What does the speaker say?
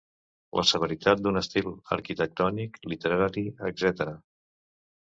La severitat d'un estil arquitectònic, literari, etc.